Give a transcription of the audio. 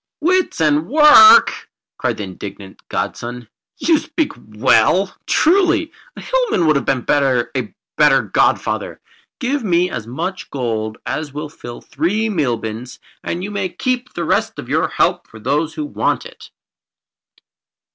"Wits and work!" cried the indignant godson. "You speak well truly! A hillman would have made a better godfather. Give me as much gold as will fill three meal bins, and you may keep the rest of your help for those who want it."